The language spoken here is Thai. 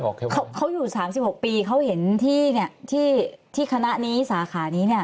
เขาอยู่๓๖ปีเขาเห็นที่คณะนี้ซาขานี้